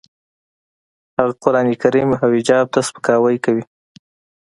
هغه قرانکریم او حجاب ته سپکاوی کوي